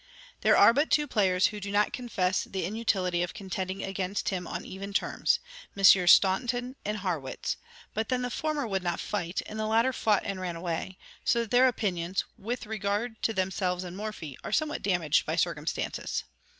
There are but two players who do not confess the inutility of contending against him on even terms Messrs. Staunton and Harrwitz but then the former would not fight, and the latter fought and ran away, so that their opinions, with regard to themselves and Morphy, are somewhat damaged by circumstances.